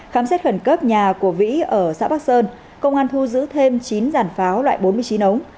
khám xét khẩn cấp nhà của vĩ ở xã bắc sơn công an thu giữ thêm chín giản pháo loại bốn mươi chín ống